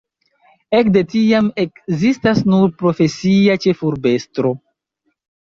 Ekde tiam ekzistas nur profesia ĉefurbestro.